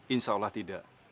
insya allah tidak